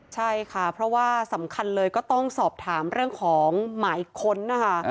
ใช่ค่ะเพราะว่าสำคัญเลยก็ต้องสอบถามเรื่องของหมายค้นนะคะ